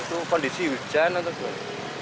itu kondisi hujan atau gimana